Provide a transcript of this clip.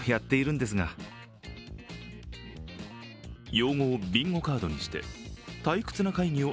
用語をビンゴカードにして退屈な会議を